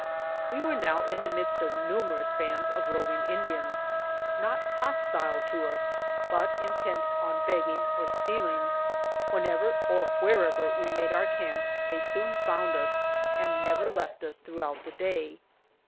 We were now in the midst of numerous bands of roving Indians, not hostile to us, but intent on beg ging or stealing. Whenever or wherever we made our camp they soon found us and never left us throughout the day.